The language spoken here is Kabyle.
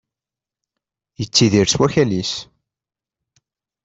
Yettidir s wakal-is.